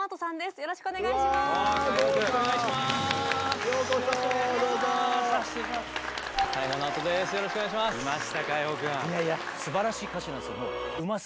よろしくお願いします。